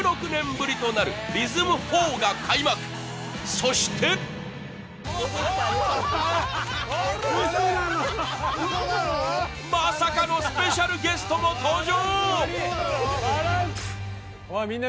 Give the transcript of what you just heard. そしてまさかのスペシャルゲストの登場。